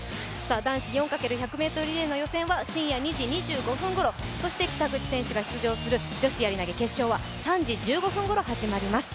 男子４×１００ｍリレーの予選は深夜２時２５分ごろ、そして北口選手が出場する女子やり投決勝は３時１５分ごろ始まります。